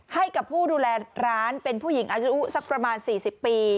ให้กับผู้ดูแลร้านเป็นผู้หญิงอายุสักประมาณ๔๐ปี